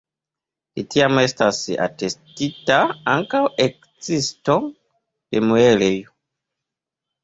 De tiam estas atestita ankaŭ ekzisto de muelejo.